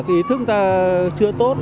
ý thức ta chưa tốt